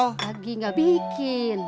lagi enggak bikin